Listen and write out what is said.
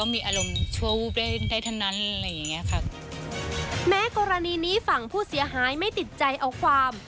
แม้กรณีนี้ฝั่งผู้เสียหายไม่ติดใจเอาความ